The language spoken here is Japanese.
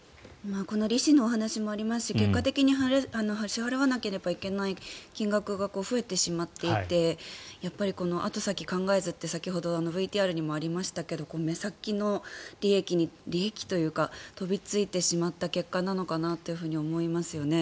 この利子の話もありますし結果的に支払わなければいけない金額が増えてしまっていて後先考えずって先ほどＶＴＲにもありましたけれど目先の利益というか飛びついてしまった結果だと思いますね。